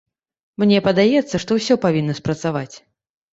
Мне падаецца, што ўсё павінна спрацаваць.